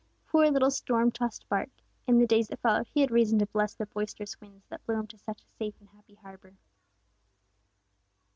Poor little storm tossed bark! In the days that followed he had reason to bless the boisterous winds, that blew him to such a safe and happy harbor!